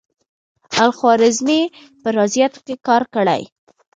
الخوارزمي په ریاضیاتو کې کار کړی.